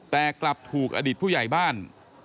แต่กลับถูกอดีตผู้ใหญ่บ้าน